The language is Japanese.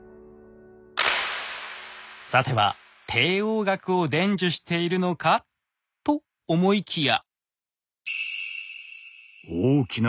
さては帝王学を伝授しているのか？と思いきや。